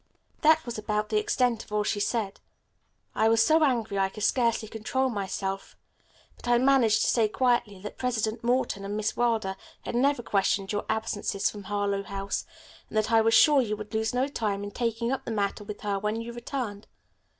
"That's about the extent of all she said. I was so angry I could scarcely control myself, but I managed to say quietly that President Morton and Miss Wilder had never questioned your absences from Harlowe House, and that I was sure you would lose no time in taking up the matter with her when you returned.